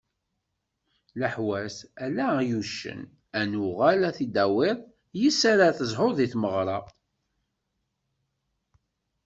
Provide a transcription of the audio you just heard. Leḥwat: Ala ay uccen ad nuγal ad t-id-tawiḍ yis-s ara tezhud di tmeγra.